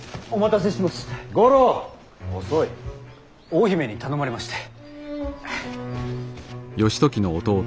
大姫に頼まれまして。